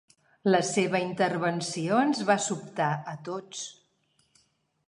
La seva intervenció ens va sobtar a tots.